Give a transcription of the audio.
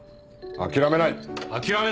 諦めない！